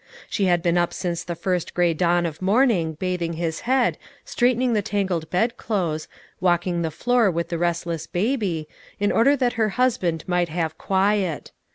She had been up since the first grey dawn of morning, bathing his head, straightening the tangled bedclothes, walking the floor with the restless baby, in order that her husband might have quiet.